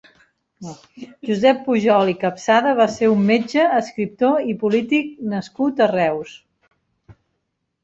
Josep Pujol i Capsada va ser un metge, escriptor i polític nascut a Reus.